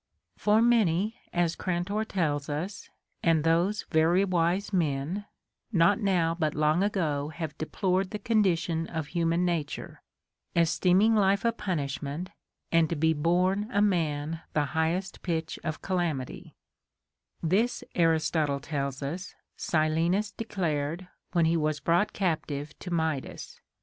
27. For many, as Grantor tells us, and those very wise men, not now but long ago have deplored the condition of human nature, esteeming life a punishment, and to be born a man the highest pitch of calamity ; this, Aristotle tells us, Silenus declared Avhen he was brought captive to Midas.